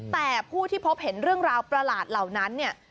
แต่ผู้ที่พบเห็นเรื่องราวประหลาดเหล่านั้นเนี่ย